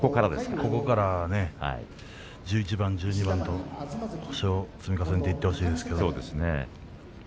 ここから１１番、１２番と星を積み重ねていってほしいですけど。